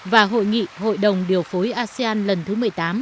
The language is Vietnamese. và hội nghị hội đồng điều phối asean lần thứ một mươi tám